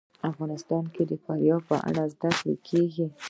افغانستان کې د فاریاب په اړه زده کړه کېږي.